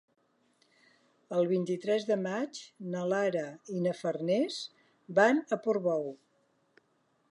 El vint-i-tres de maig na Lara i na Farners van a Portbou.